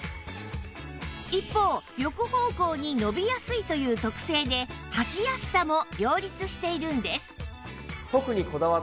一方横方向に伸びやすいという特性ではきやすさも両立しているんです